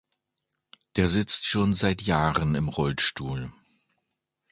Der sitzt schon seit Jahren im Rollstuhl.